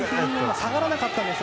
下がらなかったんですよ。